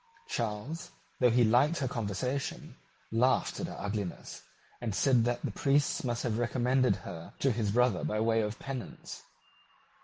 Charles, though he liked her conversation, laughed at her ugliness, and said that the priests must have recommended her to his brother by way of penance.